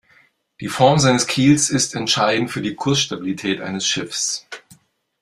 Die Form seines Kiels ist entscheidend für die Kursstabilität eines Schiffes.